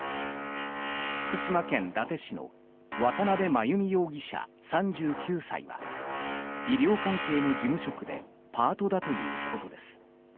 福島県伊達市の渡邉真由美容疑者、３９歳は医療関係の事務職でパートだということです。